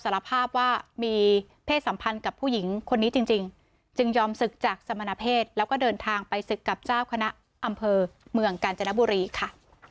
แล้วก็เดินทางไปศึกกับเจ้าคณะอำเภอเมืองกาญจนบุรีค่ะ